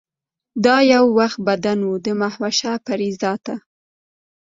دا یو وخت بدن و د مهوشه پرې ذاته